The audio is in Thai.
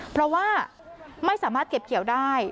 เพราะว่าไม่สามารถเก็บเกี่ยวได้